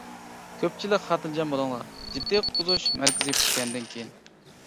-كۆپچىلىك خاتىرجەم بولۇڭلار، جىددىي قۇتقۇزۇش مەركىزى پۈتكەندىن كېيىن.